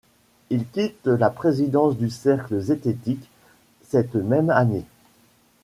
Il quitte la présidence du Cercle zététique cette même année.